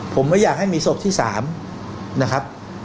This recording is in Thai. ผมไม่อยากให้มีศพที่๓นะครับ